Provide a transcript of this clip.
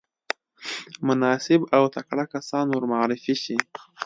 مناسب او تکړه کسان ورمعرفي شي.